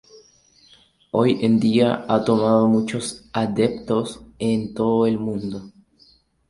Hoy en día ha tomado muchos adeptos en todo el mundo.